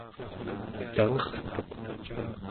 tangertuq